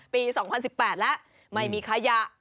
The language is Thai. ปี๒๐๑๘แล้วไม่มีขยะ